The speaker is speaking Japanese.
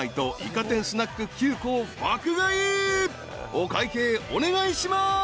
［お会計お願いします］